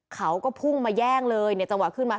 เขาก็พุ่งมาแย่งเลยเนี่ยจังหวะขึ้นมา